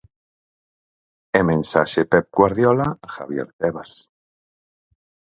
E mensaxe Pep Guardiola a Javier Tebas.